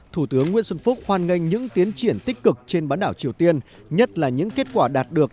thủ tướng nguyễn xuân phúc hoan nghênh những tiến triển tích cực trên bán đảo triều tiên nhất là những kết quả đạt được